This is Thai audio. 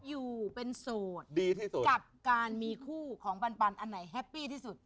อยู่เป็นโสดดีที่สุดกับการมีคู่ของปันอันไหนแฮปปี้ที่สุด